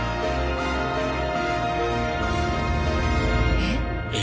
えっ？